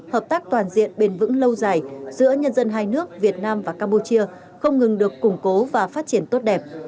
hợp tác toàn diện bền vững lâu dài giữa nhân dân hai nước việt nam và campuchia không ngừng được củng cố và phát triển tốt đẹp